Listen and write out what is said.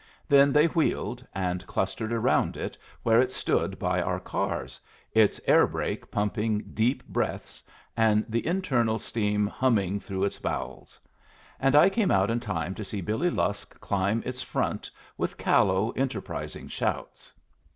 Then they wheeled, and clustered around it where it stood by our cars, its air brake pumping deep breaths, and the internal steam humming through its bowels; and I came out in time to see Billy Lusk climb its front with callow, enterprising shouts.